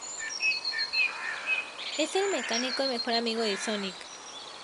Es el mecánico y mejor amigo de Sonic.